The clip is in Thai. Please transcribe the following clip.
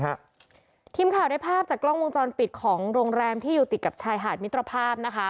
ทีมข่าวได้ภาพจากกล้องวงจรปิดของโรงแรมที่อยู่ติดกับชายหาดมิตรภาพนะคะ